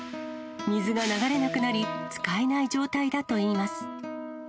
水が流れなくなり、使えない状態だといいます。